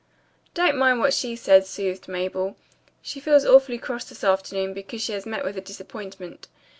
"Don't mind what she says," soothed Mabel. "She feels awfully cross this afternoon because she has met with a disappointment.